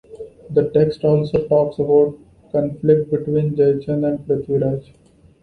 The text also talks of a conflict between Jaichand and Prithviraj.